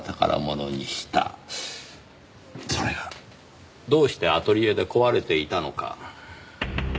それがどうしてアトリエで壊れていたのか？